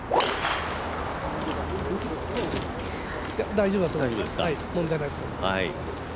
大丈夫だと思います、問題ないと思います。